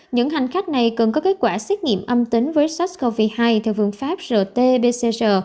những hành khách này cần có kết quả xét nghiệm âm tính với sars cov hai theo phương pháp rt pcr